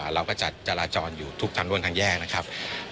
เราก็จัดจราจรอยู่ทุกทางร่วมทางแยกนะครับ